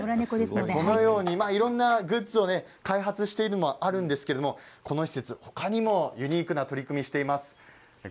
このようにいろんなグッズを開発しているのもあるんですけどこの施設、他にもユニークな取り組みをしています。